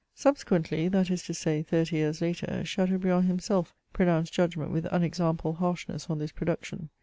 Subsequently, that is to say, thirty years later, Chateaubriand himself pronounced judgment with unexampled harshness on this production.